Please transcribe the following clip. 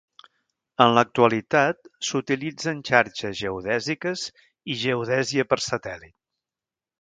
En l'actualitat s'utilitzen xarxes geodèsiques i geodèsia per satèl·lit.